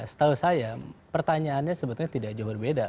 setahu saya pertanyaannya sebetulnya tidak jauh berbeda